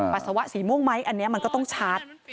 ปัสสาวะสีม่วงไหมอันนี้มันก็ต้องชัด